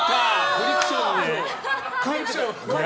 フリクションだ。